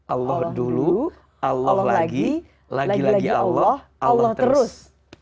allah dulu allah lagi lagi lagi allah allah terus